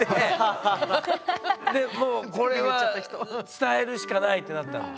もうこれは伝えるしかないってなったんだ。